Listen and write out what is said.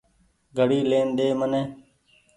گھڙي لين ۮي مني ۔